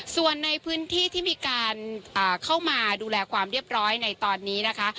ส่วนในพื้นที่ที่มีการเข้ามาดูแลความเรียบร้อยในตอนนี้นะคะ